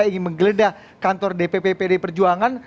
ingin menggeledah kantor dpp pd perjuangan